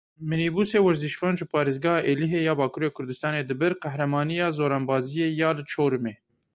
Minîbûsê werzîşvan ji parêzgeha Êlihê ya Bakurê Kurdistanê dibir qehremaniya zoranbaziyê ya li Çorumê.